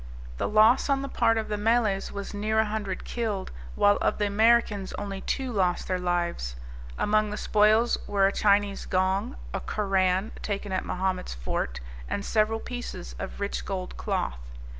The loss on the part of the Malays was near a hundred killed, while of the Americans only two lost their lives. Among the spoils were a Chinese gong, a Koran, taken at Mahomet's fort, and several pieces of rich gold cloth.